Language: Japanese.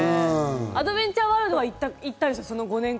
アドベンチャーワールドは行ったんですよ。